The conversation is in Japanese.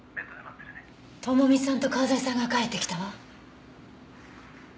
智美さんと川添さんが帰ってきたわ。